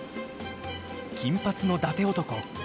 「金髪の伊達男」。